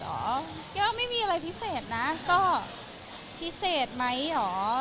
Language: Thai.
ของขวัญพิเศษเหรอไม่มีอะไรพิเศษนะก็พิเศษไหมหรอ